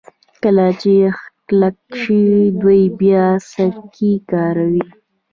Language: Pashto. کله چې یخ کلک شي دوی بیا سکي کاروي